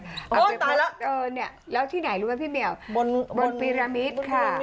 โอ้ยตายแล้วเออเนี่ยแล้วที่ไหนรู้ไหมพี่แมวบนบนบนปีรามิตค่ะ